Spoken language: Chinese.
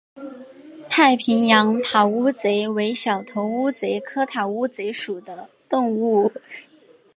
太平洋塔乌贼为小头乌贼科塔乌贼属的动物。